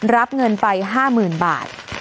รับเงินไป๕๐๐๐บาท